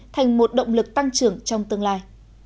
thành một động lực tăng trưởng trong tương lai